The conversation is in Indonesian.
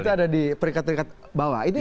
itu ada di peringkat peringkat bawah